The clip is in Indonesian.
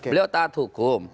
beliau taat hukum